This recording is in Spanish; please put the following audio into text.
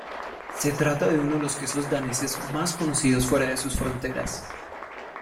Se trata de uno de los quesos daneses más conocidos fuera de sus fronteras.